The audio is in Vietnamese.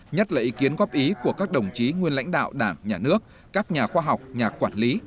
nhất là ý kiến góp ý của các đồng chí nguyên lãnh đạo đảng nhà nước các nhà khoa học nhà quản lý